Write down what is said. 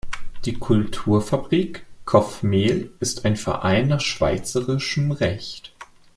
Die Kulturfabrik Kofmehl ist ein Verein nach Schweizerischem Recht.